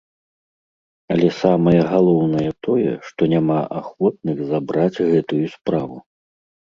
Але самае галоўнае тое, што няма ахвотных забраць гэтую справу.